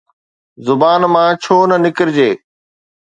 زبان مان ڇو نه نڪرجي؟